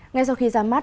ngay sau khi ra mắt